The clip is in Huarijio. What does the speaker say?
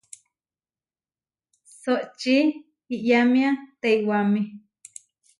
Soʼočí iyámia teiwáme.